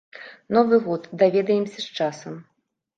Новы год, даведаемся з часам.